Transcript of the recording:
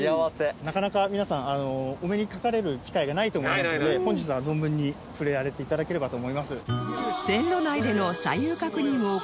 なかなか皆さんお目にかかれる機会がないと思いますので本日は存分に触れられていただければと思います。